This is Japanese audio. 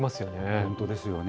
本当ですよね。